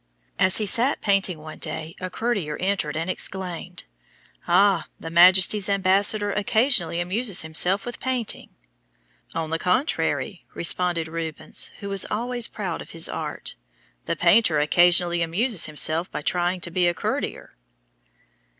As he sat painting one day a courtier entered and exclaimed, "Ah, his Majesty's Ambassador occasionally amuses himself with painting." "On the contrary," responded Rubens who was always proud of his art, "the painter occasionally amuses himself by trying to be a courtier."